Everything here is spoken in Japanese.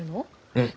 うん。